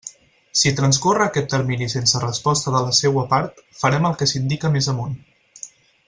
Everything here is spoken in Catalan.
Si transcorre aquest termini sense resposta de la seua part, farem el que s'indica més amunt.